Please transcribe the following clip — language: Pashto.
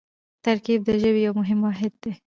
ترکیب د ژبې یو مهم واحد دئ.